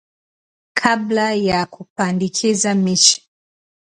kabla ya kupandikiza miche